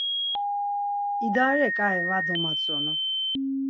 İdare ǩai var domatzonu.